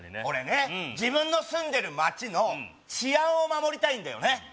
俺ね自分の住んでる町の治安を守りたいんだよね